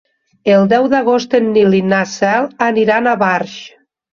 El deu d'agost en Nil i na Cel aniran a Barx.